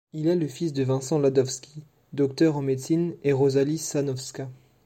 Il est le fils de Vincent Landowski, docteur en médecine et Rosalie Szanowska.